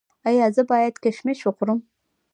ایا زه باید کشمش وخورم؟